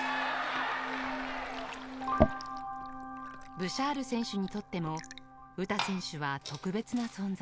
ブシャール選手にとっても詩選手は特別な存在。